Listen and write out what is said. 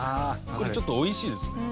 これちょっと美味しいですね。